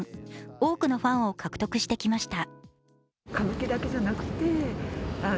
多くのファンを獲得してきました。